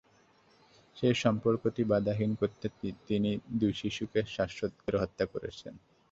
সেই সম্পর্কটি বাধাহীন করতে তিনি দুই শিশুকে শ্বাসরোধ করে হত্যা করেছেন।